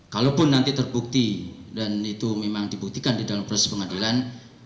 kalaupun nanti terbukti dan itu memang dibuktikan di dalam proses pengadilan